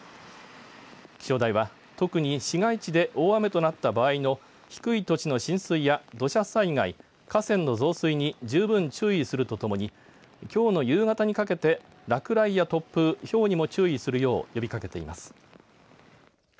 気象台は特に市街地で大雨となった場合の低い土地の浸水や土砂災害、河川の増水に十分注意するとともにきょうの夕方にかけて落雷や突風、ひょうにも注意するよう呼びかけています。